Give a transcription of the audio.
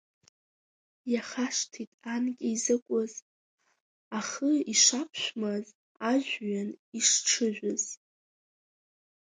Иахашҭит анкьа изакәыз, ахы ишаԥшәмаз, жәҩан ишҽыжәыз.